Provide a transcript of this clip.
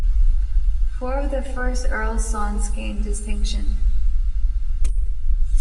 Four of the first earl's sons gained distinction.